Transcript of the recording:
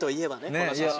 この写真。